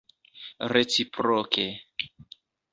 reciproke